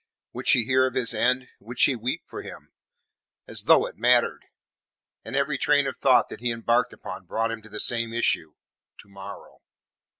Would she hear of his end? Would she weep for him? as though it mattered! And every train of thought that he embarked upon brought him to the same issue to morrow!